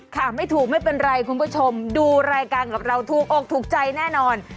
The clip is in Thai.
ค่ะไม่ถูกไม่เป็นไรคุณผู้ชมดูรายการกับเราถูกอกถูกใจแน่นอน